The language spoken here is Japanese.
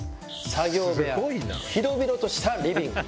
作業部屋広々としたリビング。